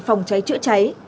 phòng cháy chữa cháy